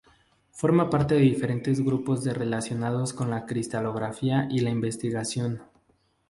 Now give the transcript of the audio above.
Forma parte de diferentes grupos de relacionados con la cristalografía y la investigación.